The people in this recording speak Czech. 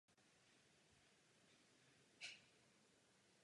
Poté se stal členem čerstvě založené skupiny Manowar.